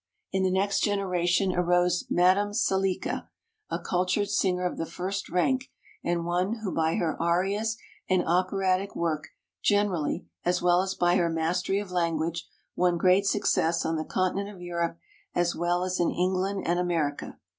In the next generation arose Madame Selika, a cultured singer of the first rank, and one who by her arias and operatic work generally, as well as by her mastery of language, won great success on the continent of Europe as well as in England and America.